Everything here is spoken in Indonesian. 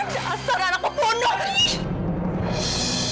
dasar anak pembunuh ini